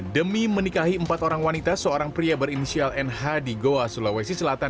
demi menikahi empat orang wanita seorang pria berinisial nh di goa sulawesi selatan